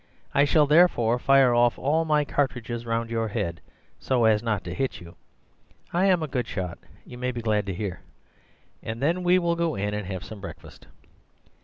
I shall therefore fire off all my cartridges round your head so as not to hit you (I am a good shot, you may be glad to hear), and then we will go in and have some breakfast.